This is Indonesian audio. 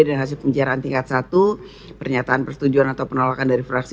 dan hasil pembicaraan tingkat satu pernyataan persetujuan atau penolakan dari fraksi